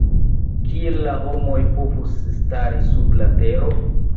Kiel la homoj povus stari sub la tero?